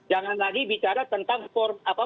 jangan lagi bicara tentang materialnya